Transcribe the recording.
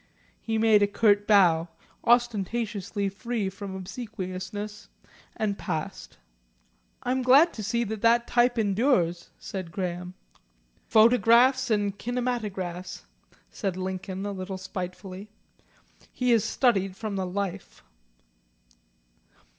He made a curt bow, ostentatiously free from obsequiousness, and passed. "I am glad to see that type endures," said Graham. "Phonographs and kinematographs," said Lincoln, a little spitefully. "He has studied from the life."